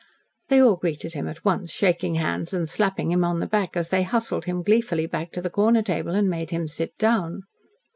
They all greeted him at once, shaking hands and slapping him on the back, as they hustled him gleefully back to the corner table and made him sit down.